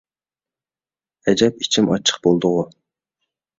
ئەجەب ئىچىم ئاچچىق بولدىغۇ!